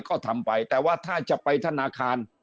ก็ทำไปแต่ว่าถ้าจะไปธนาคาร